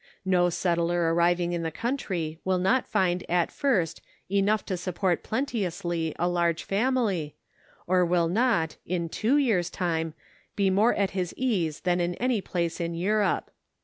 No settler arriving in the country will not find at first enough to support plenteously a large family, or will not, in two years time be more at his ease than in any place in Europe.